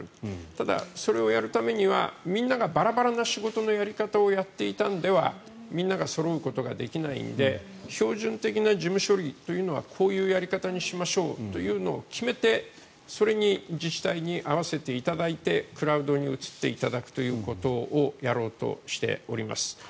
ただ、それをやるためにはみんながバラバラな仕事のやり方をやっていたんではみんながそろうことができないので標準的な事務処理というのはこういうやり方にしましょうというのを決めてそれに自治体に合わせていただいてクラウドに移っていただくということをやろうとしております。